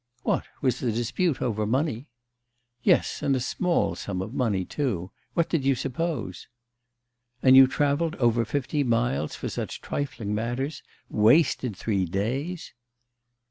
'What? Was the dispute over money?' 'Yes; and a small sum of money too. What did you suppose?' 'And you travelled over fifty miles for such trifling matters? Wasted three days?